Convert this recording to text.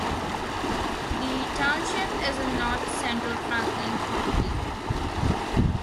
The township is in north-central Franklin County.